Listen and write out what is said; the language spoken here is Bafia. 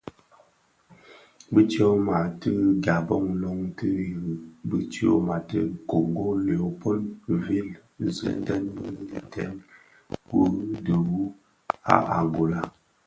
Bi tyoma ti a Gabon loň ti irig bi tyoma ti a Kongo Léo Paul Ville zugtèn bi ndem wu dhim wu a Angola.